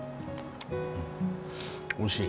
おいしい。